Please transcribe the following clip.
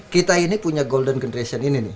kita ini punya golden generation ini nih